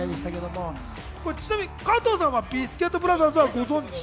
ちなみに加藤さんはビスケットブラザーズはご存じ？